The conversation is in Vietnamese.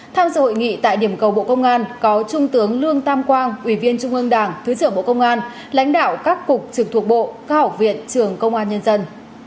tham dự hội nghị tại điểm cầu bộ công an có trung tướng lương tam quang ủy viên trung ương đảng thứ trưởng bộ công an lãnh đạo các cục trực thuộc bộ các học viện trường công an nhân dân